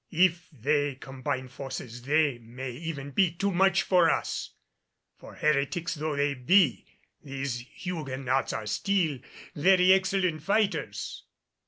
If they combine forces they may even be too much for us; for heretics though they be these Huguenots are still very excellent fighters."